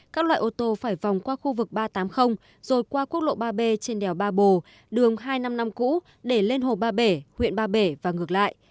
các loại ô tô phải vòng qua khu vực ba trăm tám mươi rồi qua quốc lộ ba b trên đèo ba bồ đường hai trăm năm mươi năm cũ để lên hồ ba bể huyện ba bể và ngược lại